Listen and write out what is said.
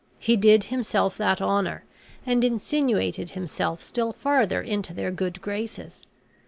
He did himself that honor, and insinuated himself still farther into their good graces.